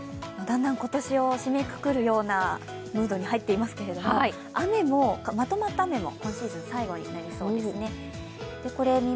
今年を締めくくるようなムードに入っていますけどまとまった雨も今シーズン最後になりそうですね。